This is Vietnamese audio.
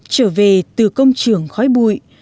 trở về từ công trường khói bụi